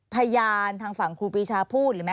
พยานทางฝั่งครูปีชาพูดหรือไม่